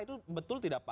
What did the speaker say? itu betul tidak pak